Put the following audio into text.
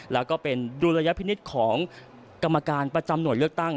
แล้วก็เป็นดุลยพินิษฐ์ของกรรมการประจำหน่วยเลือกตั้ง